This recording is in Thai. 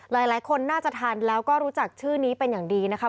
หลายคนน่าจะทันแล้วก็รู้จักชื่อนี้เป็นอย่างดีนะคะ